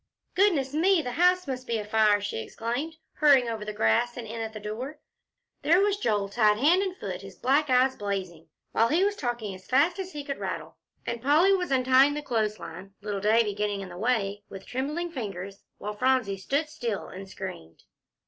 "Goodness me, the house must be afire!" she exclaimed, hurrying over the grass and in at the door. There was Joel, tied hand and foot, his black eyes blazing, while he was talking as fast as he could rattle, and Polly was untying the clothes line, little Davie getting in the way, with trembling fingers, while Phronsie stood still and screamed.